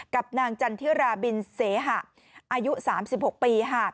กับนางจันทิราบินเสหะอายุ๓๖ปี